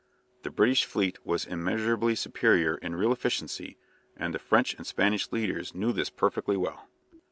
The British fleet was immeasurably superior in real efficiency, and the French and Spanish leaders knew this perfectly well.